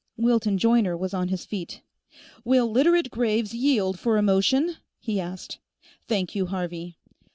Wilton Joyner was on his feet. "Will Literate Graves yield for a motion?" he asked. "Thank you, Harvey.